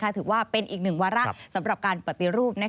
ถือว่าเป็นอีกหนึ่งวาระสำหรับการปฏิรูป